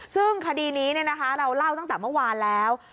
ซึ่งคดีนี้เราเล่าตั้งแต่เมื่อวานแล้ว